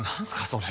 それ。